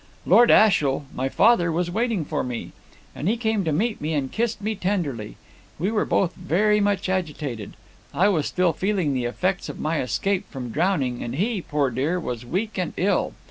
"Lord Ashiel my father was waiting for me, and he came to meet me and kissed me tenderly. We were both very much agitated: I was still feeling the effects of my escape from drowning, and he, poor dear, was weak and ill.